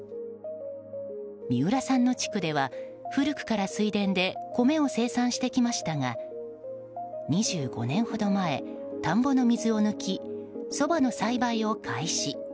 三浦さんの地区では古くから水田でコメを生産してきましたが２５年ほど前、田んぼの水を抜きソバの栽培を開始。